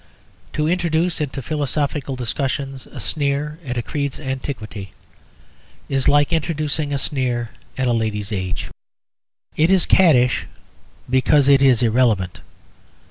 To introduce into philosophical discussions a sneer at a creed's antiquity is like introducing a sneer at a lady's age. It is caddish because it is irrelevant.